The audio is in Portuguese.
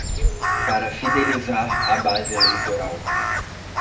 Para fidelizar a base eleitoral